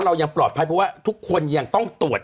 เรายังปลอดภัยเพราะว่าทุกคนยังต้องตรวจ